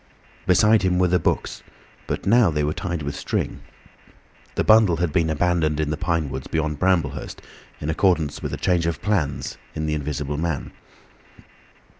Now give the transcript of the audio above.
Beside him were the books, but now they were tied with string. The bundle had been abandoned in the pine woods beyond Bramblehurst, in accordance with a change in the plans of the Invisible Man.